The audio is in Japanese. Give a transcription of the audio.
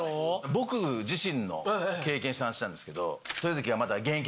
僕自身の経験した話なんですけど豊関がまだ。